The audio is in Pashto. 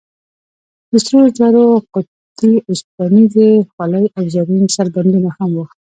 د سرو زرو قطعې، اوسپنیزې خولۍ او زرین سربندونه هم و.